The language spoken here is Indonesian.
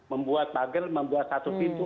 membuat bugel membuat satu pintu